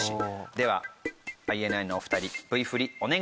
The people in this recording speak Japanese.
ではＩＮＩのお二人Ｖ振りお願い致します。